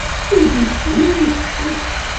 Ur d-yecfi ara i jeddi-s.